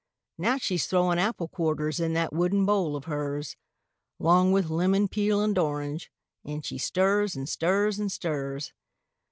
Now she's throwin' apple quarters In that wooden bowl of hers, 'Long with lemon peel and orange, An' she stirs, an' stirs, an' stirs.